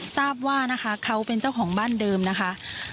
ทราบว่านะคะเขาเป็นเจ้าของบ้านเดิมนะคะ